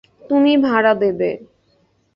তুমি ভাড়া দেবে।